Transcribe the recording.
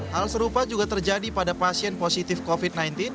hal serupa juga terjadi pada pasien positif covid sembilan belas